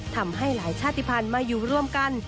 ทำให้หลายชาติภัณฑ์มาอยู่ร่วมกัน